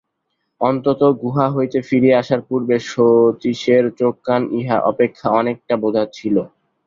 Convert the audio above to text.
অন্তত গুহা হইতে ফিরিয়া আসার পূর্বে শচীশের চোখ-কান ইহা অপেক্ষা অনেকটা বোজা ছিল।